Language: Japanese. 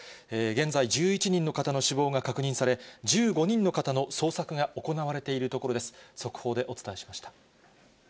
現在、１１人の方の死亡が確認され、１５人の方の捜索が行われているところです。